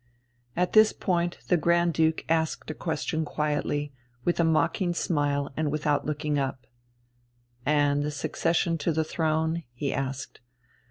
At this point the Grand Duke asked a question quietly, with a mocking smile and without looking up. "And the succession to the throne?" he asked.